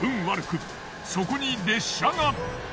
悪くそこに列車が。